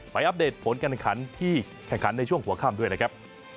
อัปเดตผลการขันที่แข่งขันในช่วงหัวค่ำด้วยนะครับ